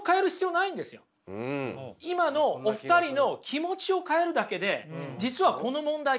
今のお二人の気持ちを変えるだけで実はこの問題解決するんですよ。